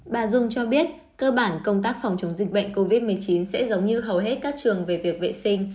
bà dung cho biết cơ bản công tác phòng chống dịch bệnh covid một mươi chín sẽ giống như hầu hết các trường về việc vệ sinh